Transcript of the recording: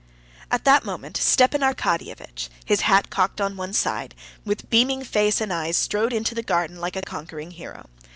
At that moment Stepan Arkadyevitch, his hat cocked on one side, with beaming face and eyes, strode into the garden like a conquering hero.